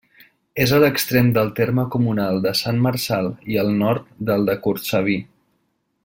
És a l'extrem del terme comunal de Sant Marçal i al nord del de Cortsaví.